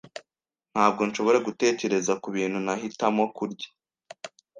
Ntabwo nshobora gutekereza kubintu nahitamo kurya.